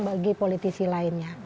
bagi politisi lainnya